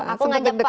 aku ngajak pak ahok